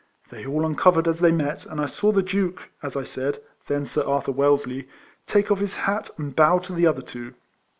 They all uncovered as they met, and I saw the Duke, as I said, (then Sir Arthur Wellesley) take off his RIFLEMAN HARRIS. 131 hat and boAv to the other two.